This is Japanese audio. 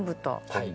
はい。